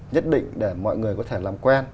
nhất định để mọi người có thể làm quen